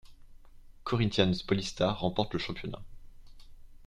Corinthians Paulista remporte le championnat.